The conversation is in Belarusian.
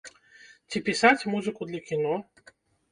Ці пісаць музыку для кіно?